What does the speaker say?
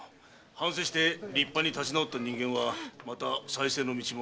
反省して立派に立ち直ればまた再生の道も。